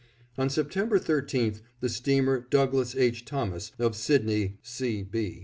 On September 13th the steamer Douglas H. Thomas, of Sydney, C. B.